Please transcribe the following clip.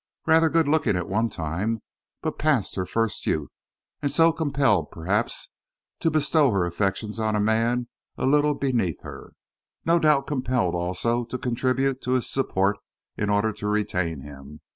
"Rather good looking at one time, but past her first youth, and so compelled perhaps to bestow her affections on a man a little beneath her no doubt compelled also to contribute to his support in order to retain him.